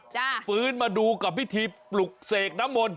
ฟื้นมาดูกับพิธีปลุกเสกน้ำมนต